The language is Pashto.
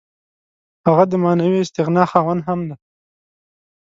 هغه د معنوي استغنا خاوند هم دی.